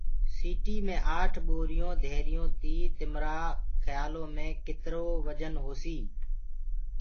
سيٚٽينٚ مي آٺ ٻوريٚونٚ ڌيريٚونٚ تيٚ تمرآ کيآلو مي ڪترو وجن هوسيٚ